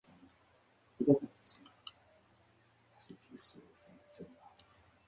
后邀请罽宾三藏弗若多罗至长安传授戒律。